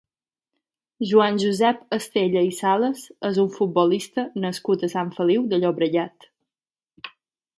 Joan Josep Estella i Salas és un futbolista nascut a Sant Feliu de Llobregat.